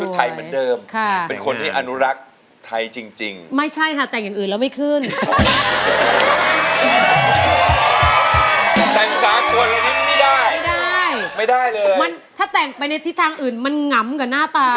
แต่ถ้าแต่งไปในทิศทางอื่นมันหงำกับหน้าตา